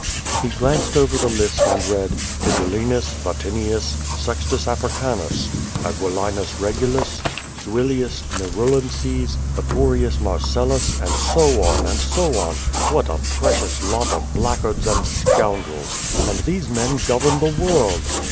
He glanced over the list and read, "Tigellinus, Vatinius, Sextus Africanus, Aguilinus Regulus, Suilius Xerulinccs, Ei) rius Marcellus, and so on, and so on. Wliat a precious lot of blackguards and scoundrels! And these men govern the world!